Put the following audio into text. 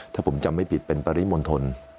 ถ้าผมจำไม่ผิดเป็นปริมณฑล